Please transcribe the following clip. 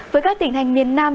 với các tỉnh hành miền nam